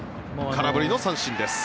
空振りの三振です。